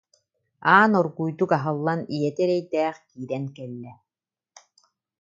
Аан оргууйдук аһыллан ийэтэ эрэйдээх киирэн кэллэ